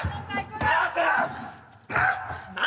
何？